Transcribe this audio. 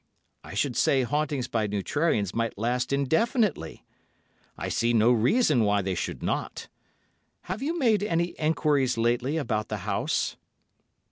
I should say hauntings by neutrarians might last indefinitely; I see no reason why they should not. Have you made any enquiries lately about the house?"